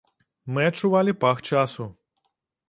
Мы адчувалі пах часу.